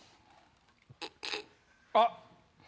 あっ。